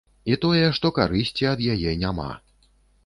І тое, што карысці ад яе няма.